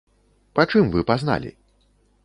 Па чым вы пазналі?